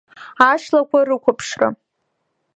Ашлақәа рқәыԥшра…